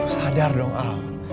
sadar dong al